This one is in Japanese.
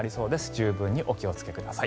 十分にお気をつけください。